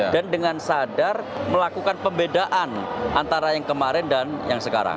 dan dengan sadar melakukan pembedaan antara yang kemarin dan yang sekarang